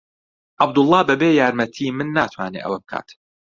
عەبدوڵڵا بەبێ یارمەتیی من ناتوانێت ئەوە بکات.